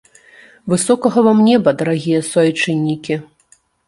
Высокага вам неба, дарагія суайчыннікі!